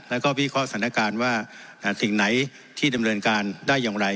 แล้วก็วิเคราะห์สถานการณ์ว่าสิ่งไหนที่ดำเนินการได้อย่างไร